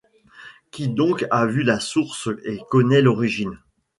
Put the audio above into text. Qui donc a vu la source et connaît l’origine?